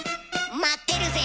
待ってるぜ！